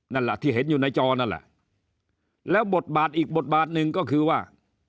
นั่นแหละที่เห็นอยู่ในจอนั่นแหละแล้วบทบาทอีกบทบาทหนึ่งก็คือว่า